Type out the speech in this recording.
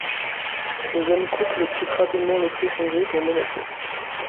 Le jeune couple quitte rapidement l'Autriche-Hongrie pour Monaco.